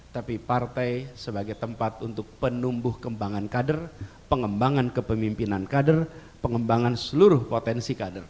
tapi partai sebagai tempat untuk penumbuh kembangan kader pengembangan kepemimpinan kader pengembangan seluruh potensi kader